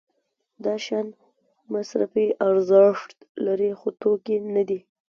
دا شیان مصرفي ارزښت لري خو توکي نه دي.